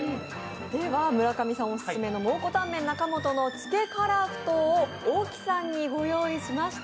村上さんオススメの蒙古タンメン中本のつけ樺太を大木さんにご用意しました。